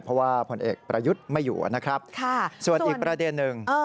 เพราะว่าผลเอกประยุทธ์ไม่อยู่นะครับส่วนอีกประเด็นหนึ่ง